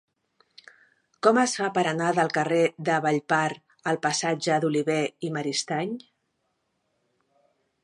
Com es fa per anar del carrer de Vallpar al passatge d'Olivé i Maristany?